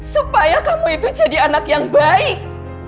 supaya kamu itu jadi anak yang baik